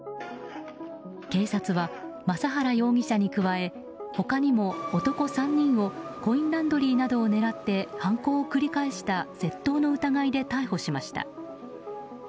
警察は昌原容疑者に加え他にも男３人をコインランドリーなどを狙って犯行を繰り返した窃盗の疑いで逮捕しました。